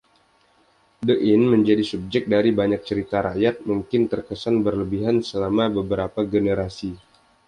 The Inn menjadi subjek dari banyak cerita rakyat - mungkin terkesan berlebihan selama beberapa generasi.